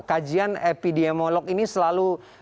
kajian epidemiolog ini selalu